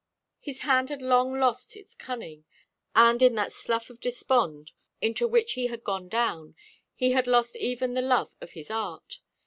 His hand had long lost its cunning, and, in that slough of despond into which he had gone down, he had lost even the love of his art.